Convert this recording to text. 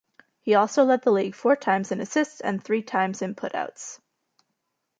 He also led the league four times in assists and three times in putouts.